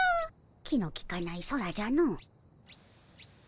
気のきかない空じゃの。